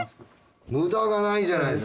無駄がないじゃないですか。